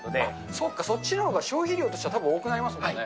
そっか、そっちのほうが消費量としてはたぶん多くなりますもんね。